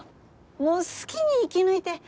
もう好きに生き抜いて完全燃焼。